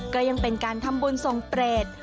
ก็ยังเป็นการทำบุญทรงเปรต